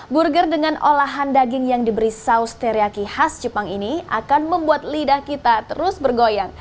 burger dengan olahan daging yang diberi saus teriyaki khas jepang ini akan membuat lidah kita terus bergoyang